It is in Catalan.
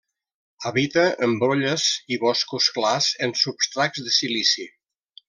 Habita en brolles i boscos clars en substrats de silici.